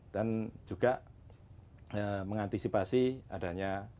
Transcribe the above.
dan juga mengantisipasi adanya